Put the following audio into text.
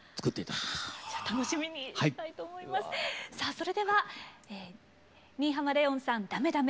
それでは新浜レオンさん「ダメダメ」